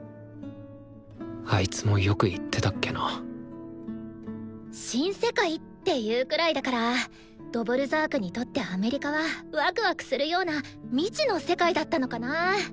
あいつもよく言ってたっけな「新世界」って言うくらいだからドヴォルザークにとってアメリカはわくわくするような未知の世界だったのかな。